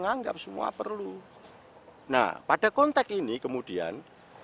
hai nah pada konteks ini kemudian